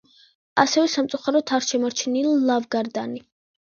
ასევე სამწუხაროდ არ შემორჩენილა ლავგარდანი.